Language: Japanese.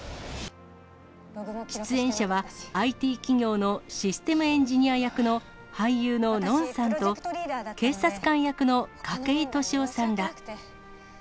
出演者は、ＩＴ企業のシステムエンジニア役の俳優ののんさんと、警察官役の筧利夫さんら。